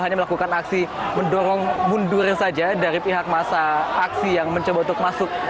hanya melakukan aksi mendorong mundur saja dari pihak masa aksi yang mencoba untuk masuk